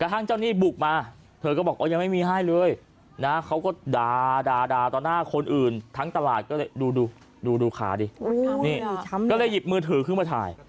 อู้ยช้ำนี่อ่ะช้ำนี่อ่ะก็เลยหยิบมือถือขึ้นมาถ่าย